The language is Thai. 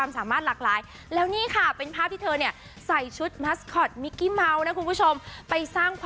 ก็น่าจะเป็นอะไรดี